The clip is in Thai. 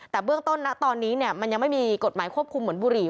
แต่เบื้องต้นนะตอนนี้มันยังไม่มีกฎหมายควบคุมเหมือนบุหรี่